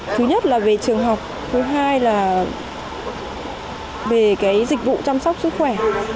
thứ nhất là về trường học thứ hai là về dịch vụ chăm sóc sức khỏe